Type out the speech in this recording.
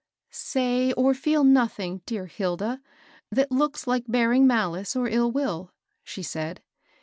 " Say or feel nothing, dear Hilda, that looks like bearing malice or ill will," she said.